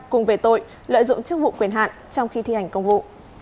cùng về tội lợi dụng chức vụ quyền hạn trong khi thi hành công vụ